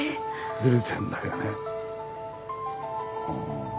ずれてんだよね。